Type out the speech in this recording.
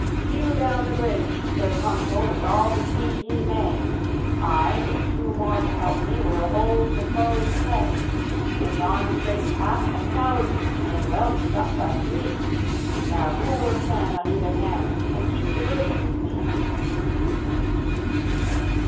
"Hew down the bridge, Sir Consul, With all the speed ye may; I, with two more to help me, Will hold the foe in play. In yon straight path a thousand May well be stopped by three. Now who will stand on either hand, And keep the bridge with me?"